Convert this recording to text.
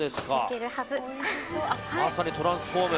まさにトランスフォーム。